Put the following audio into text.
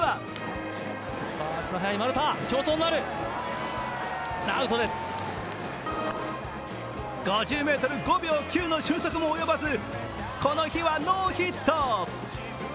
第３打席では５０ｍ５秒９の俊足も及ばずこの日はノーヒット。